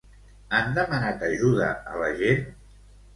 Han demanat ajuda a la gent?